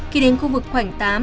khi đến khu vực khoảnh tám